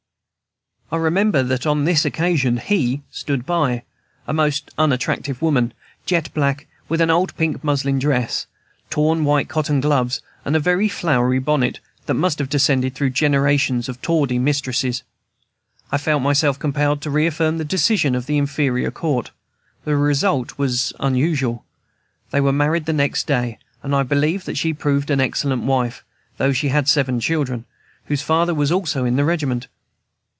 I remember that on this occasion "he" stood by, a most unattractive woman, jet black, with an old pink muslin dress, torn white cotton gloves, and a very flowery bonnet, that must have descended through generations of tawdry mistresses. I felt myself compelled to reaffirm the decision of the inferior court. The result was as usual. They were married the next day, and I believe that she proved an excellent wife, though she had seven children, whose father was also in the regiment.